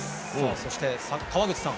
そして、川口さん。